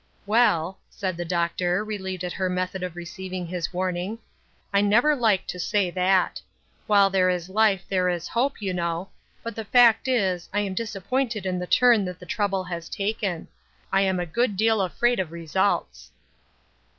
"Well," said the Doctor, relieved at her method of receiving his warning, " I never like to say that. While there is life there is hope, you know ; but the fact is, I am disappointed in the turn that the trouble has taken. I am a good deal afraid of results."